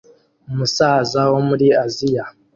Umusaza wo muri Aziya